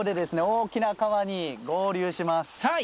大きな川に合流します。